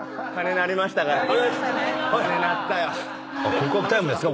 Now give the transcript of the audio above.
告白タイムですか？